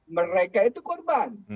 mereka itu korban